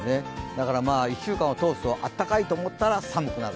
だから１週間を通すと暖かいと思ったら寒くなる。